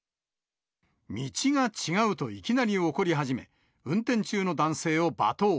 道が違うといきなり怒り始め、運転中の男性を罵倒。